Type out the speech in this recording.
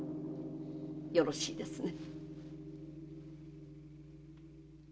よろしいですね？